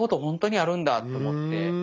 本当にあるんだと思って。